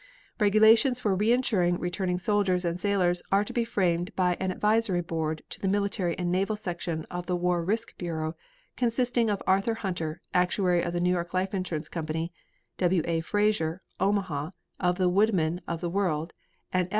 Regulations for reinsuring returning soldiers and sailors are being framed by an advisory board to the military and naval section of the war risk bureau, consisting of Arthur Hunter, actuary of the New York Life Insurance Company; W. A. Fraser, Omaha, of the Woodmen of the World, and F.